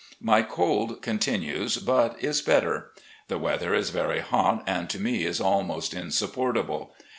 My cold con tinues, but is better. The weather is very hot and to me is almost insupportable.